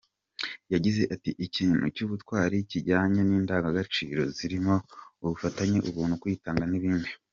Yagize ati “Ikintu cy’ubutwari kijyanye n’indangagaciro, zirimo ubufatanye, ubuntu, kwitanga n’ibindi.